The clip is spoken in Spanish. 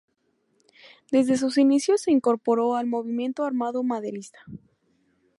Desde sus inicios se incorporó al movimiento armado maderista.